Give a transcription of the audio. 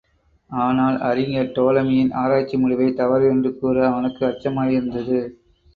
ஆனால் அறிஞர் டோலமியின் ஆராய்ச்சி முடிவைத் தவறு என்று கூற அவனுக்கு அச்சமாயிருந்தது.